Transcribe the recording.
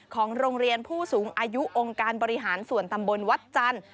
ของโรงเรียนผู้สูงอายุองค์การบริหารส่วนตำบลวัดจันทร์